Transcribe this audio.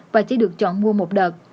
và chỉ được chọn mua một đợt